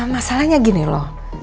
masalahnya gini loh